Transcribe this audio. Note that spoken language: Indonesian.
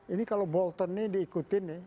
ini kalau bolton nih diikutin nih